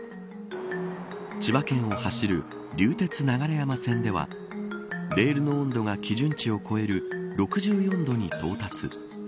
千葉県を走る流鉄流山線ではレールの温度が基準値を超える６４度に到達。